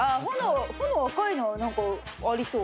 炎が赤いのはなんかありそう。